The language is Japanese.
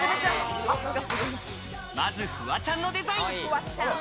まず、フワちゃんのデザイン。